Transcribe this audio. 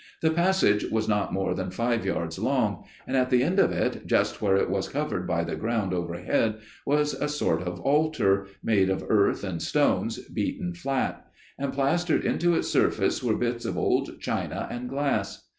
The passage was not more than five yards long; and at the end of it, just where it was covered by the ground overhead, was a sort of altar, made of earth and stones beaten flat; and plastered into its surface were bits of old china and glass.